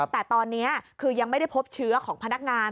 แต่ตอนนี้คือยังไม่ได้พบเชื้อของพนักงาน